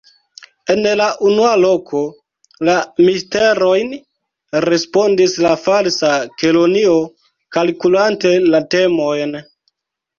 "En la unua loko, la Misterojn," respondis la Falsa Kelonio kalkulante la temojn.